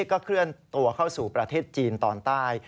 ก็เคลื่อนตัวเข้าสู่ประเทศจีนตอนใต้